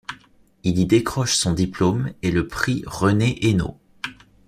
Il y décroche son diplôme et le Prix René Hainaux.